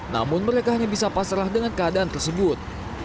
namun mereka hanya bisa pasrah dengan keadaan tersebut